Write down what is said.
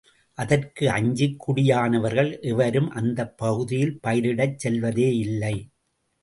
அதற்கு அஞ்சிக் குடியானவர்கள் எவரும் அந்தப் பகுதியில் பயிரிடச் செல்வதேயில்லை.